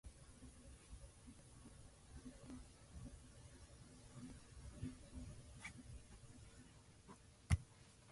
Conversely, many urbanized Pashtuns tend to ignore the rules of Pashtunwali.